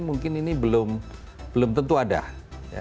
mungkin ini belum tentu ada ya